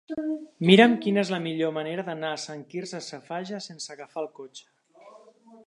Mira'm quina és la millor manera d'anar a Sant Quirze Safaja sense agafar el cotxe.